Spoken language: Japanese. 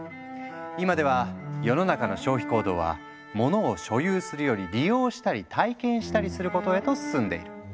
今では世の中の消費行動はモノを「所有する」より「利用したり体験したりする」ことへと進んでいる。